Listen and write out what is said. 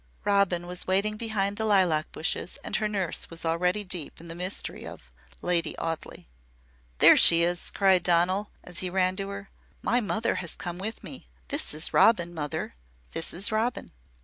Robin was waiting behind the lilac bushes and her nurse was already deep in the mystery of "Lady Audley." "There she is!" cried Donal, as he ran to her. "My mother has come with me. This is Robin, mother! This is Robin."